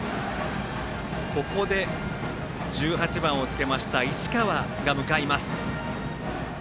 ここで１８番をつけました市川が向かいます。